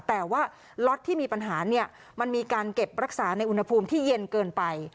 แต่ว่าล็อตที่มีปัญหาเนี่ยมันมีการเก็บรักษาในอุณหภูมิที่เย็นเกินไป